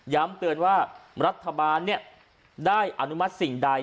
เตือนว่ารัฐบาลได้อนุมัติสิ่งใด